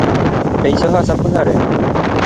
Péicha ohasa pyhare